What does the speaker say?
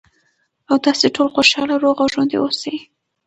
، او تاسې ټول خوشاله، روغ او ژوندي اوسئ.